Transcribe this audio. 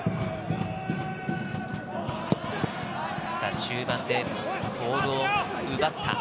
中盤でボールを奪った。